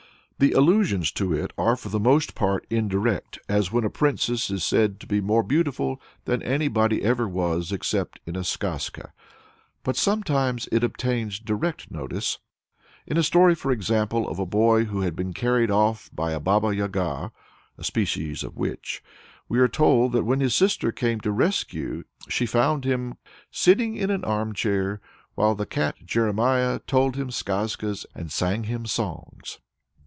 The allusions to it are for the most part indirect, as when a princess is said to be more beautiful than anybody ever was, except in a skazka; but sometimes it obtains direct notice. In a story, for instance, of a boy who had been carried off by a Baba Yaga (a species of witch), we are told that when his sister came to his rescue she found him "sitting in an arm chair, while the cat Jeremiah told him skazkas and sang him songs."